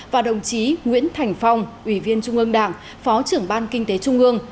và đồng chí nguyễn thành phong ủy viên trung ương đảng phó trưởng ban kinh tế trung ương